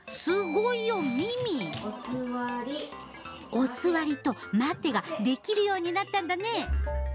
お座りと待てができるようになったんだね。